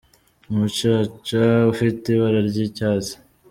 Umucaca ufite ibara ry’icyatsi.